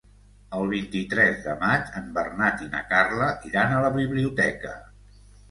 El vint-i-tres de maig en Bernat i na Carla iran a la biblioteca.